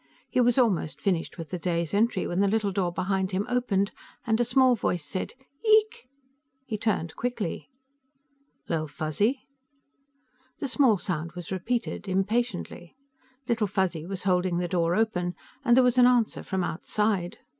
He was almost finished with the day's entry when the little door behind him opened and a small voice said, "Yeeek." He turned quickly. "Little Fuzzy?" The small sound was repeated, impatiently. Little Fuzzy was holding the door open, and there was an answer from outside.